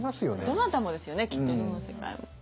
どなたもですよねきっとどの世界も。